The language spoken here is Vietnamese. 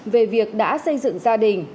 về việc đã xây dựng gia đình